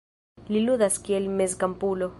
Li ludas kiel mezkampulo.